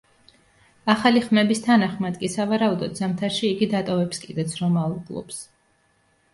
ახალი ხმების თანახმად კი სავარაუდოდ ზამთარში იგი დატოვებს კიდეც რომაულ კლუბს.